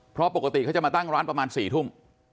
เพราะปกติเขาจะมาตั้งร้านประมาณ๔ทุ่ม